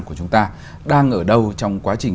của chúng ta đang ở đâu trong quá trình